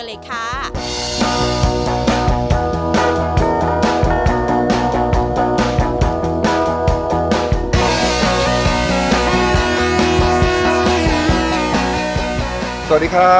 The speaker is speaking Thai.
สวัสดีครับนี่แหละค่ะ